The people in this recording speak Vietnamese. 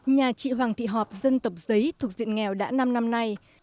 nhà chị hoàng thị họp dân tộc giấy thuộc diện nghèo đã năm năm nay